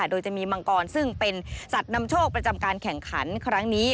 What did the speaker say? โดยจะมีมังกรซึ่งเป็นสัตว์นำโชคประจำการแข่งขันครั้งนี้